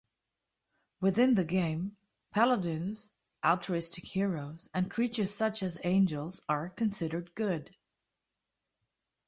Within the game, Paladins, altruistic heroes, and creatures such as angels are considered good.